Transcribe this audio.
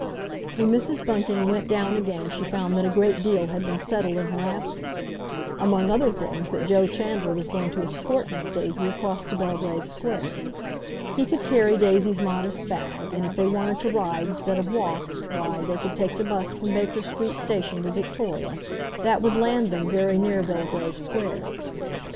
When Mrs. Bunting went down again she found that a great deal had been settled in her absence; among other things, that Joe Chandler was going to escort Miss Daisy across to Belgrave Square. He could carry Daisy's modest bag, and if they wanted to ride instead of walk, why, they could take the bus from Baker Street Station to Victoria—that would land them very near Belgrave Square.